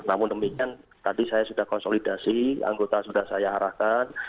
namun demikian tadi saya sudah konsolidasi anggota sudah saya arahkan